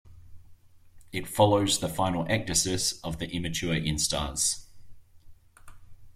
It follows the final ecdysis of the immature instars.